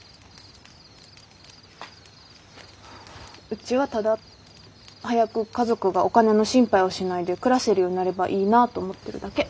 うちはただ早く家族がお金の心配をしないで暮らせるようになればいいなと思ってるだけ。